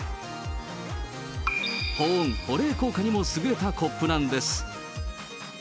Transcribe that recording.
保温、保冷効果にも優れたコップなんです。